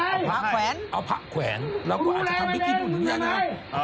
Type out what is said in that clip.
เอาผักแขวนเอาผักแขวนแล้วก็อาจจะทำบิ๊กกี้ดูหนุ่มเนี่ยนะครับ